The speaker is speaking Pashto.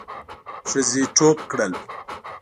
ښځې ټوپ کړل.